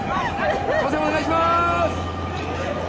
すいませんお願いしまーす！